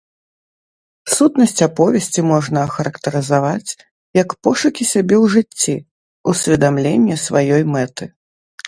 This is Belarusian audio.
Сутнасць аповесці можна ахарактарызаваць як пошукі сябе ў жыцці, усведамленне сваёй мэты.